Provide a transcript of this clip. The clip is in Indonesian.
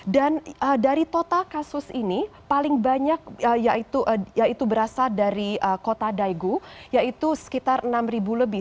dan dari total kasus ini paling banyak yaitu berasal dari kota daegu yaitu sekitar enam lebih